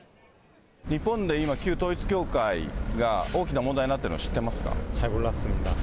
日本で今、旧統一教会が大きな問題になってるのは知っていますか？